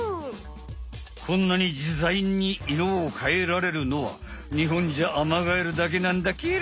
こんなにじざいに色を変えられるのはにほんじゃアマガエルだけなんだケロ。